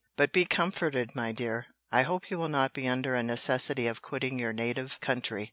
But be comforted, my dear; I hope you will not be under a necessity of quitting your native country.